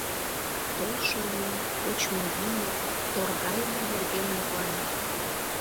Толшо еҥ кочмо-йӱмӧ, торгайыме нерген мутлана.